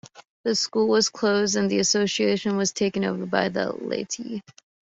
The school was closed and the association was taken over by the laity.